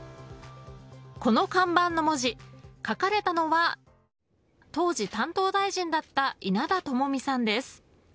この看板の文字、書かれたのは当時、担当大臣だった稲田朋美さんです。